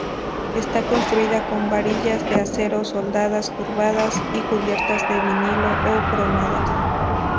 Está construida con varillas de acero soldadas, curvadas y cubiertas de vinilo o cromadas.